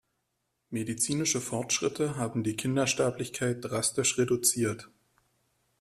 Medizinische Fortschritte haben die Kindersterblichkeit drastisch reduziert.